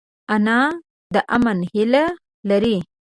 انا د امن هیله لري